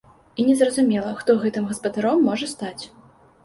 І незразумела, хто гэтым гаспадаром можа стаць.